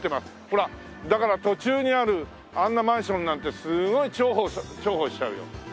ほらだから途中にあるあんなマンションなんてすごい重宝しちゃうよ。